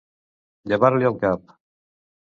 Llevar-li el cap.